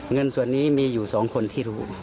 เงินส่วนนี้มีอยู่๒คนที่รู้